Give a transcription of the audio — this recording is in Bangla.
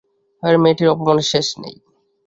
এবারে মেয়েটির অপমানের শেষ নেই।